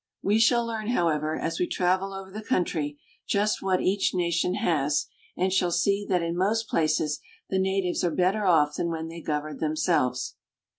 We shall learn, however, as we travel over the country, just what each nation has, and shall see that in most places the natives are better off than when they governed themselves.